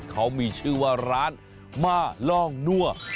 เขามีชื่อว่าร้านม่าล่องนั่ว